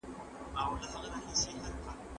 خلګ به له خپلو وسایلو څخه اغیزمنه ګټه اخلي.